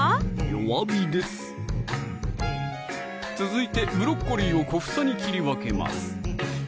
弱火です続いてブロッコリーを小房に切り分けます